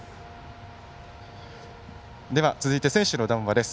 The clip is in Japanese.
では、続いて選手の談話です。